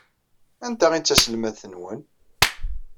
Anta ay d taselmadt-nwen?